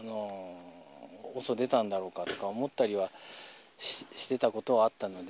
ＯＳＯ出たんだろうかと思ったりはしてたことはあったので。